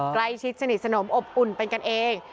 ใกล้ชิดสนิทสนมอบอุ่นเป็นกันเอง